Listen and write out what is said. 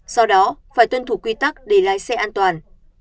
sau đó phải tuân thủ quy tắc để lái xe an toàn